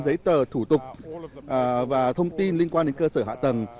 giấy tờ thủ tục và thông tin liên quan đến cơ sở hạ tầng